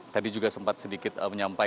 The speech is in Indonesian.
tadi juga sempat sedikit menyampaikan